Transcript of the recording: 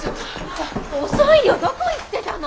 遅いよどこ行ってたの！